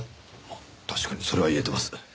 あ確かにそれは言えてます。